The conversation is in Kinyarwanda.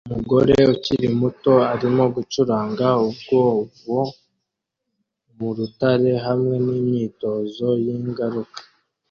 Umugore ukiri muto arimo gucukura umwobo mu rutare hamwe nimyitozo yingaruka